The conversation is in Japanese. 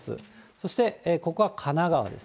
そして、ここは神奈川です。